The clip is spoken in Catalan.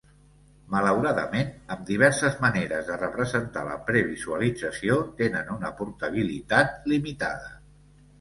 Malauradament, amb diverses maneres de representar la previsualització, tenen una portabilitat limitada.